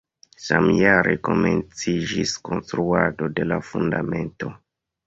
Samjare komenciĝis konstruado de la fundamento.